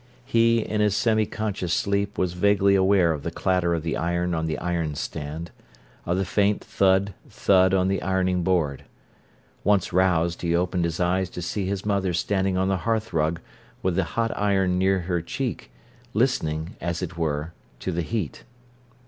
He, in his semi conscious sleep, was vaguely aware of the clatter of the iron on the iron stand, of the faint thud, thud on the ironing board. Once roused, he opened his eyes to see his mother standing on the hearthrug with the hot iron near her cheek, listening, as it were, to the heat.